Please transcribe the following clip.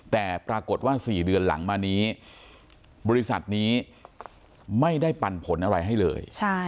แต่ปรากฏว่า๔เดือนหลังมานี้บริษัทนี้ไม่ได้ปันผลอะไรให้เลย